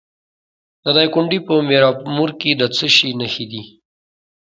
د دایکنډي په میرامور کې د څه شي نښې دي؟